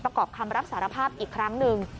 ประกอบคำรับสารภาพอีกครั้งหนึ่ง